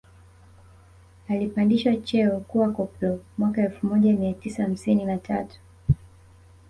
Alipandishwa cheo kuwa koplo mwaka elfu moja mia tisa hamsini na tatu